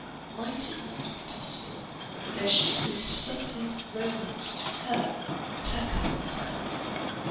Might it not be possible that there should exist something of romance between her and her cousin Frank?